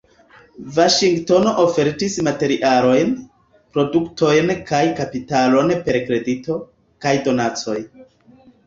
Vaŝingtono ofertis materialojn, produktojn kaj kapitalon per kredito kaj donacoj.